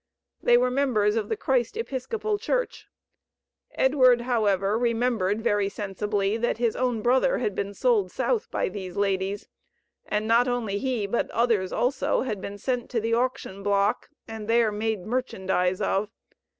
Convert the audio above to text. They were members of the Christ Episcopal Church. Edward, however, remembered very sensibly that his own brother had been sold South by these ladies; and not only he, but others also, had been sent to the auction block, and there made merchandise of.